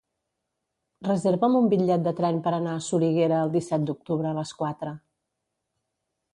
Reserva'm un bitllet de tren per anar a Soriguera el disset d'octubre a les quatre.